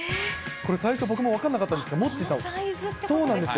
最初、僕も分からなかったんですけど、モッチーさん、そうなんですよ。